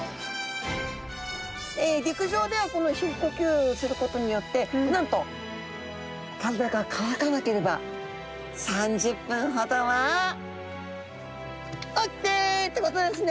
陸上ではこの皮膚呼吸することによってなんと体が乾かなければ３０分ほどはオッケーってことですね！